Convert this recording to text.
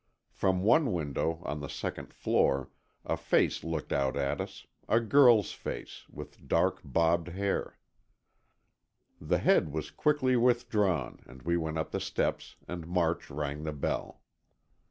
From one window, on the second floor, a face looked out at us, a girl's face, with dark, bobbed hair. The head was quickly withdrawn, and we went up the steps and March rang the bell.